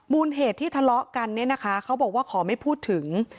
เหตุที่ทะเลาะกันเนี่ยนะคะเขาบอกว่าขอไม่พูดถึง